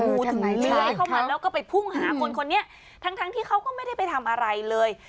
ถึงเลื้อยเข้ามาแล้วก็ไปพุ่งหาคนคนนี้ทั้งทั้งที่เขาก็ไม่ได้ไปทำอะไรเลย